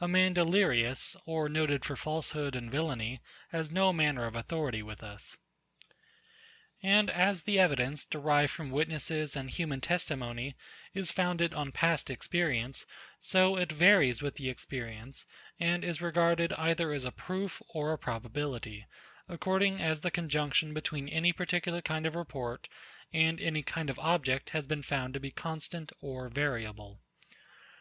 A man delirious, or noted for falsehood and villany, has no manner of authority with us. And as the evidence, derived from witnesses and human testimony, is founded on past experience, so it varies with the experience, and is regarded either as a proof or a probability, according as the conjunction between any particular kind of report and any kind of object has been found to be constant or variable.